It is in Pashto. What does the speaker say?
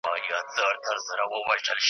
په ګونګه ژبه نظمونه لیکم .